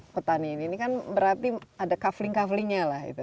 petani ini kan berarti ada kaveling kavelingnya